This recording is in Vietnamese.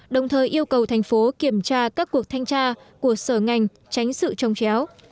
đồng thời yêu cầu thành phố kiểm tra các cuộc thanh tra của sở ngành tránh sự trồng chéo